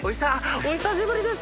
お久しぶりです